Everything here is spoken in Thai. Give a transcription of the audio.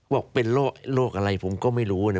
บอกเป็นโรคอะไรผมก็ไม่รู้นะ